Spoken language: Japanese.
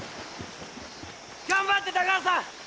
頑張って高原さん！